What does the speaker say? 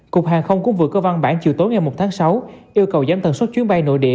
cục hàng không cũng vừa có văn bản chiều tối ngày một tháng sáu yêu cầu giảm tần suất chuyến bay nội địa